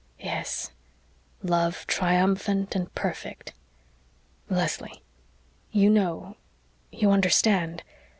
"Yes love triumphant and perfect. Leslie, you know you understand.